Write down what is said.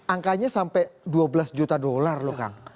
angkanya sampai dua belas juta dolar loh kang